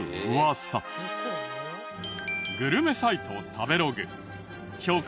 グルメサイト食べログ評価